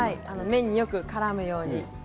麺によく絡むように。